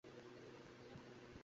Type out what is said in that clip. Sorry, Charlotte.